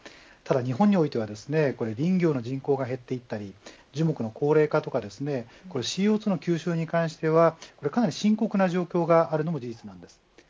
ただ日本においては林業の人口が減っていったり樹木の高齢化やＣＯ２の吸収に関してはかなり深刻な状況があるのが事実です。